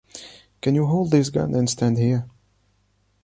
Can you hold this gun and stand here.